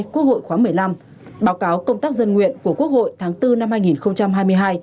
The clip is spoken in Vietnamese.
quốc hội khóa một mươi năm báo cáo công tác dân nguyện của quốc hội tháng bốn năm hai nghìn hai mươi hai